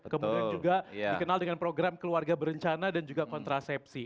kemudian juga dikenal dengan program keluarga berencana dan juga kontrasepsi